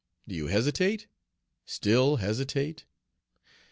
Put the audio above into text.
do you hesitate? still hesitate?